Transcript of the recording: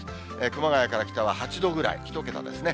熊谷から北は８度ぐらい、１桁ですね。